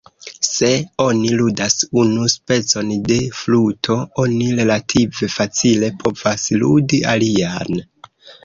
Se oni ludas unu specon de fluto, oni relative facile povas ludi alian.